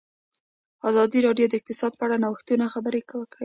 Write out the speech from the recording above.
ازادي راډیو د اقتصاد په اړه د نوښتونو خبر ورکړی.